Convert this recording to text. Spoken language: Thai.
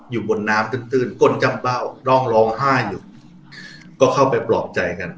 อยู่บนน้ำตื้นตื้นก้นจำเบ้าน้องร้องไห้อยู่ก็เข้าไปปลอบใจกัน